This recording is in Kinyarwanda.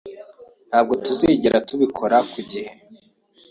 Ntabwo tuzigera tubikora ku gihe.